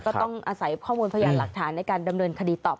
ก็ต้องอาศัยข้อมูลพยานหลักฐานในการดำเนินคดีตอบ